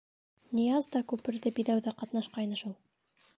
Нияз да күперҙе «биҙәү»ҙә ҡатнашҡайны шул.